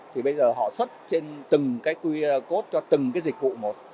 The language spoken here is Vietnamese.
thì bây giờ họ xuất trên từng cái qr code cho từng cái dịch vụ một